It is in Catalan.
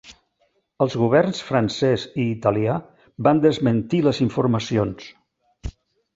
Els Governs francès i italià van desmentir les informacions.